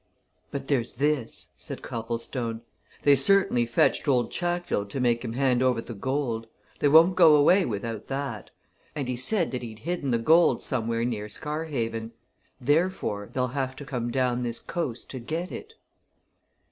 "But there's this," said Copplestone. "They certainly fetched old Chatfield to make him hand over the gold! They won't go away without that! And he said that he'd hidden the gold somewhere near Scarhaven. Therefore, they'll have to come down this coast to get it."